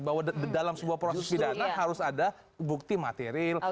bahwa dalam sebuah proses pidana harus ada bukti material